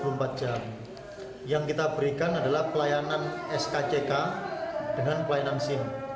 pelayanan adalah pelayanan skck dengan pelayanan sim